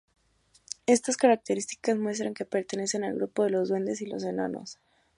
Estas características muestran que pertenecen al grupo de los duendes y los enanos.